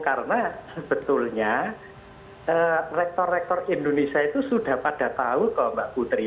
karena sebetulnya rektor rektor indonesia itu sudah pada tahu pak putri